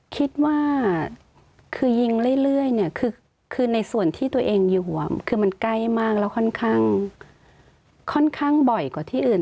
คิดว่าคือยิงเรื่อยเนี่ยคือในส่วนที่ตัวเองอยู่คือมันใกล้มากแล้วค่อนข้างค่อนข้างบ่อยกว่าที่อื่น